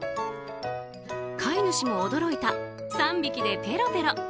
飼い主も驚いた３匹でペロペロ。